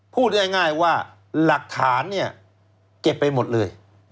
พูดได้ง่ายว่าหลักฐานเก็บไปหมดเลย